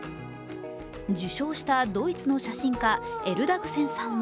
受賞したドイツの写真家エルダグセンさんは